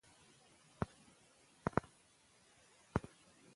زده کړې ښځې پر ځان باور لري.